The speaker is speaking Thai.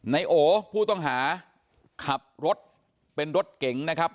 นายโอผู้ต้องหาขับรถเป็นรถเก๋งนะครับ